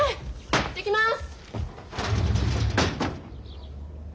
行ってきます！